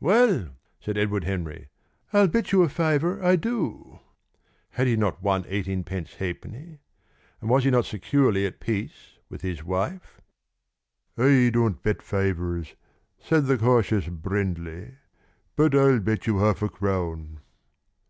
"Well," said Edward Henry, "I'll bet you a fiver I do." Had he not won eighteen pence half penny? And was he not securely at peace with his wife? "I don't bet fivers," said the cautious Brindley. "But I'll bet you half a crown."